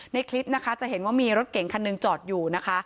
ในคลิปนะคะจะเห็นว่ามีรถเก่งคันหนึ่งจอดอยู่นะคะ